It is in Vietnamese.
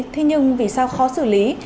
thế nhưng vì sao khó xử lý